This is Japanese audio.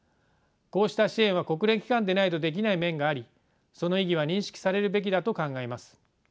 こうした支援は国連機関でないとできない面がありその意義は認識されるべきだと考えます。